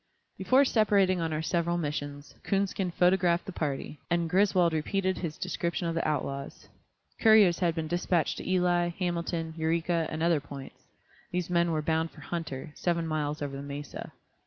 Before separating on our several missions, Coonskin photographed the party, and Griswold repeated his description of the outlaws. Couriers had been dispatched to Ely, Hamilton, Eureka, and other points; these men were bound for Hunter, seven miles over the mesa.